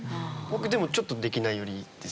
僕でもちょっとできない寄りですけど。